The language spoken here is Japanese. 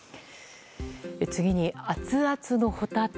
次に、アツアツのホタテ。